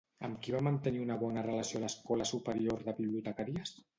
Amb qui va mantenir una bona relació a l'Escola Superior de Bibliotecàries?